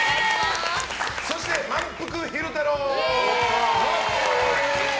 そして、まんぷく昼太郎！